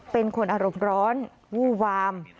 เป็นคนอารมณ์ร้อนวู้วาม